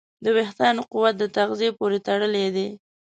د وېښتیانو قوت د تغذیې پورې تړلی دی.